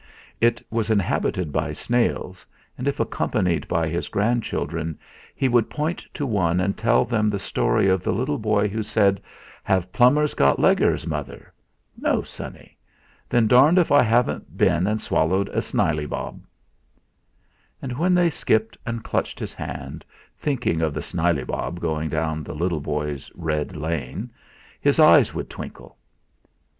It was inhabited by snails, and if accompanied by his grandchildren, he would point to one and tell them the story of the little boy who said: 'Have plummers got leggers, Mother? 'No, sonny.' 'Then darned if I haven't been and swallowed a snileybob.' And when they skipped and clutched his hand, thinking of the snileybob going down the little boy's 'red lane,' his eyes would twinkle.